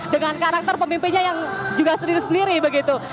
dengan karakter pemimpinnya yang juga sendiri sendiri begitu